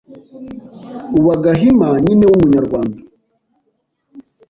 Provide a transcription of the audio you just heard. Uba Gahima nyine wumunyarwanda